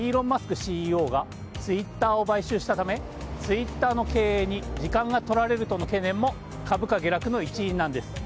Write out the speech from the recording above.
ＣＥＯがツイッターを買収したためツイッターの経営に時間がとられるとの懸念も株価下落の一因なんです。